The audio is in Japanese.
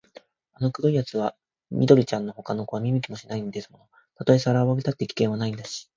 あの黒いやつは緑ちゃんのほかの子は見向きもしないんですもの。たとえさらわれたって、危険はないんだし、